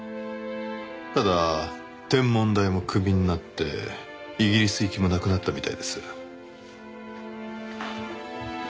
ただ天文台もクビになってイギリス行きもなくなったみたいです。